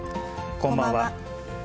こんばんは。